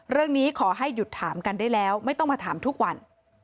เรื่องนี้ขอให้หยุดถามกันได้แล้วไม่ต้องมาถามทุกวัน